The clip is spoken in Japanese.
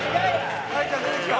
太ちゃん出てきた？